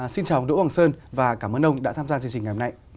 xin chào đỗ hoàng sơn và cảm ơn ông đã tham gia chương trình ngày hôm nay